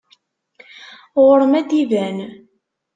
Ɣur-m ad d-iban.